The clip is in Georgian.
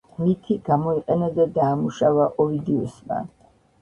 მითი გამოიყენა და დაამუშავა ოვიდიუსმა.